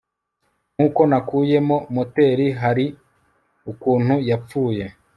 nkuko nakuyemo, moteri hari ukuntu yapfuye